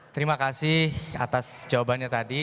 terima kasih atas jawabannya tadi